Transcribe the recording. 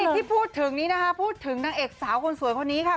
ที่พูดถึงนี้นะคะพูดถึงนางเอกสาวคนสวยคนนี้ค่ะ